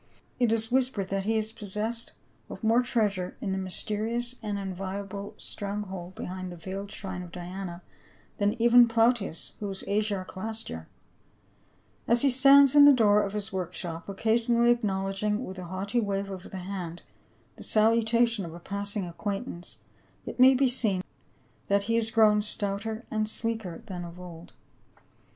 It is whispered that he is pos se.ssed of more treasure in the mysterious and invio * I. Cor. iv., 9 13. A BUSINESS MAN OF EPHESUS. 363 lable stronghold behind the veiled shrine of Diana than even Plautius, who was Asiarch last year. As he stands in the door of his work shop, occasionally acknowledging with a haughty wave of the hand the salutation of a passing acquaintance, it may be seen that he has grown stouter and sleeker than of old.